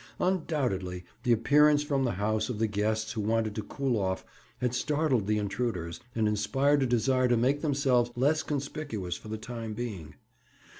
Undoubtedly, the appearance from the house of the guests who wanted to cool off had startled the intruders and inspired a desire to make themselves less conspicuous for the time being.